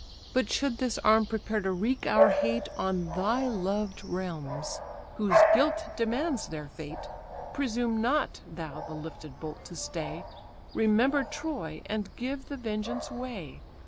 But should this arm prepare to wreak our hate On thy loved realms, whose guilt demands their fate; Presume not thou the lifted bolt to stay, Remember Troy, and give the vengeance way.